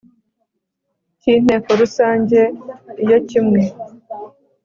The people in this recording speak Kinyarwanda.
cy inteko rusange iyo kimwe